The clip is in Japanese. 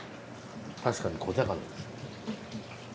確かに小魚ですね。